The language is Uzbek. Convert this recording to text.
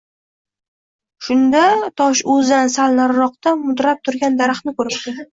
Shunda tosh o‘zidan sal nariroqda mudrab turgan daraxtni ko‘ribdi